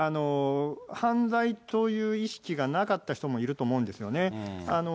犯罪という意識がなかった人もいると思うんですよね。